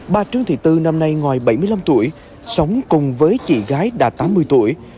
bà trương thị tư năm nay ngoài bảy mươi năm tuổi sống cùng với chị gái đã tám mươi tuổi